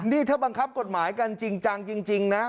นี่ถ้าบังคับกฎหมายกันจริงจังจริงนะ